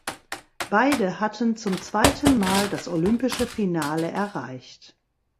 Beide hatten zum zweiten Mal das olympische Finale erreicht.